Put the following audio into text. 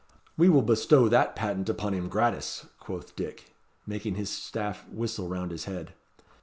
"We will bestow that patent upon him gratis," quoth Dick, making his staff whistle round his head.